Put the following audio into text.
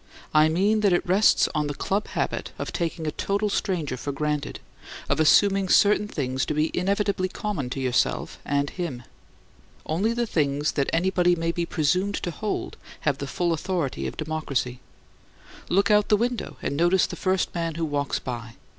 I mean that it rests on that club habit of taking a total stranger for granted, of assuming certain things to be inevitably common to yourself and him. Only the things that anybody may be presumed to hold have the full authority of democracy. Look out of the window and notice the first man who walks by.